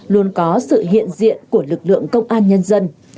luôn có sự hiện diện của lực lượng công an nhân dân